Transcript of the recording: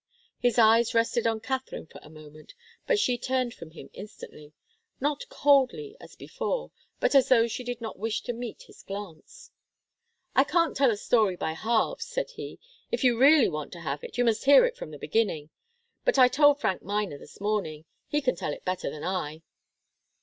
His eyes rested on Katharine for a moment, but she turned from him instantly not coldly, as before, but as though she did not wish to meet his glance. "I can't tell a story by halves," said he. "If you really want to have it, you must hear it from the beginning. But I told Frank Miner this morning he can tell it better than I."